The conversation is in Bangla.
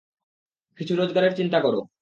কিছু রোজগারের চিন্তা করো।